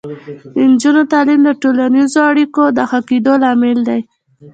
د نجونو تعلیم د ټولنیزو اړیکو د ښه کیدو لامل دی.